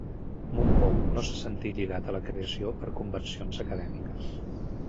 Mompou no se sentí lligat a la creació per convencions acadèmiques.